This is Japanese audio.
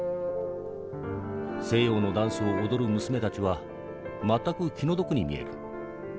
西洋のダンスを踊る娘たちは全く気の毒に見える。